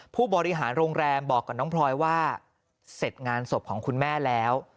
ผู้บริหารโรงแรมบอกกับน้องพลอยว่าเสร็จงานศพของคุณแม่แล้ว